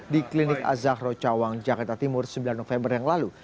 di klinik azahro cawang jakarta timur sembilan november yang lalu